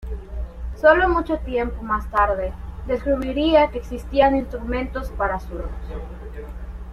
Sólo mucho tiempo más tarde, descubriría que existían instrumentos para zurdos.